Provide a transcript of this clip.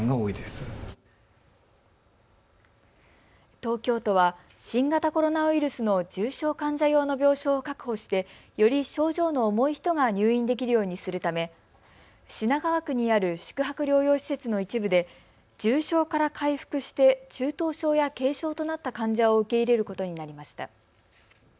東京都は新型コロナウイルスの重症患者用の病床を確保してより症状の重い人が入院できるようにするため品川区にある宿泊療養施設の一部で重症から回復して中等症や軽症となった患者を受け入れることになりました。